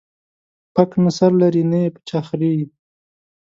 پک نه سر لري ، نې په چا خريي.